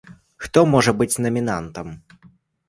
Хто можа быць намінантам?